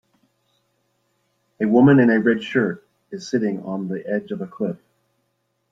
A woman in a red shirt is sitting on the edge of a cliff